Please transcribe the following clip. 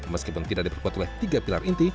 meskipun tidak diperkuat oleh tiga pilar inti